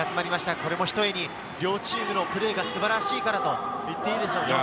これもひとえに両チームのプレーが素晴らしいからといっていいでしょう。